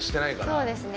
そうですね